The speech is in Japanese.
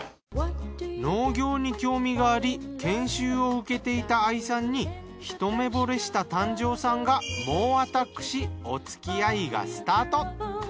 農業に興味があり研修を受けていた亜衣さんにひと目惚れした丹上さんが猛アタックしお付き合いがスタート。